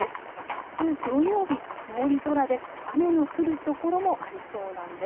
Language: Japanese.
あす土曜日曇り空で雨の降る所もありそうなんです。